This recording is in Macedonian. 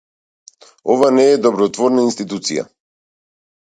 Ова не е добротворна институција.